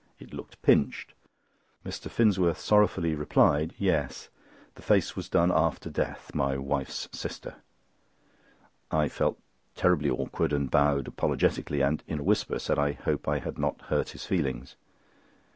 It looked pinched. Mr. Finsworth sorrowfully replied: "Yes, the face was done after death—my wife's sister." I felt terribly awkward and bowed apologetically, and in a whisper said I hoped I had not hurt his feelings.